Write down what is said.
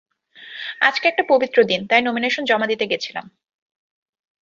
আজকে একটা পবিত্র দিন তাই নমিনেশন জমা দিতে গেছিলাম।